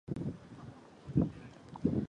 で ｗｆｒｔｔｊ